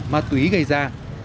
ma túy gây ra